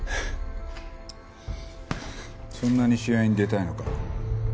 そんなに試合に出たいのか。